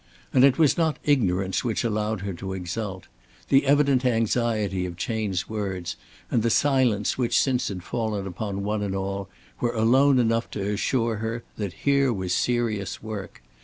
And it was not ignorance which allowed her to exult. The evident anxiety of Chayne's words, and the silence which since had fallen upon one and all were alone enough to assure her that here was serious work.